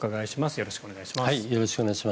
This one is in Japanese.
よろしくお願いします。